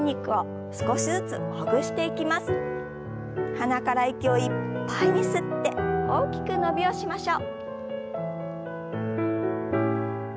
鼻から息をいっぱいに吸って大きく伸びをしましょう。